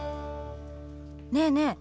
ねえねえ